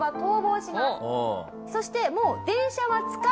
そしてもう。